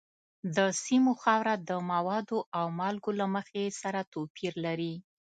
د سیمو خاوره د موادو او مالګو له مخې سره توپیر لري.